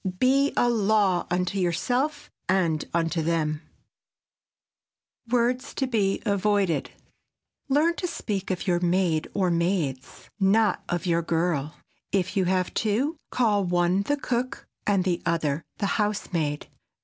Be a law unto yourself and unto them. [Sidenote: WORDS TO BE AVOIDED] Learn to speak of your "maid" or "maids," not of your "girl." If you have two, call one the cook and the other the housemaid.